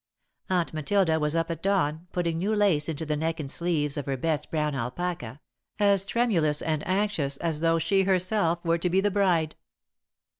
Aunt Matilda was up at dawn, putting new lace into the neck and sleeves of her best brown alpaca, as tremulous and anxious as though she herself were to be the bride.